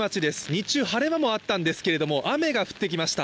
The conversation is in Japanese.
日中、晴れ間もあったんですけれども雨が降ってきました。